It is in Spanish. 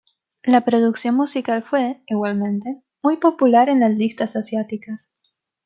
La producción musical fue, igualmente, muy popular en las listas asiáticas.